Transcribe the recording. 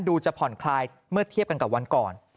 จะผ่อนคลายเมื่อเทียบกันกับวันก่อน